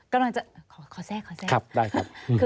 ก้อนมันจะขอแทรก